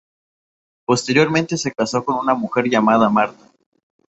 Posteriormente, se casó con una mujer llamada Marta.